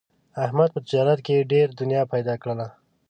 احمد په تجارت کې ډېره دنیا پیدا کړله.